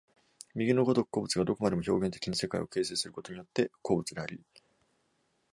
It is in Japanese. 右の如く個物がどこまでも表現的に世界を形成することによって個物であり、